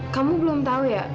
kamu belum tau ya